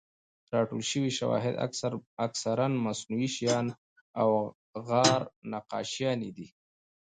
راټول شوي شواهد اکثراً مصنوعي شیان او غار نقاشیانې دي.